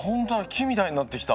木みたいになってきた。